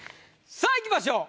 さあいきましょう。